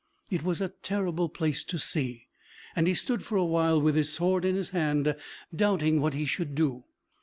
It was a terrible place to see, and he stood for a while with his sword in his hand, doubting what he should do.